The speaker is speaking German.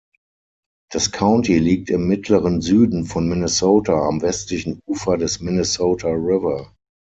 Das County liegt im mittleren Süden von Minnesota am westlichen Ufer des Minnesota River.